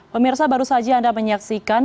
pemirsa baru saja anda menyaksikan